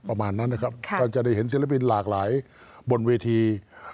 ประมาณนั้นนะครับก็จะได้เห็นศิลปินหลากหลายบนเวที